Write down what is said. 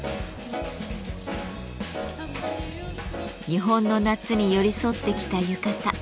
日本の夏に寄り添ってきた浴衣。